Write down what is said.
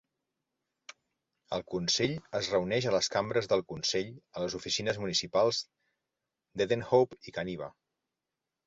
El consell es reuneix a les cambres del consell a les oficines municipals d'Edenhope i Kaniva.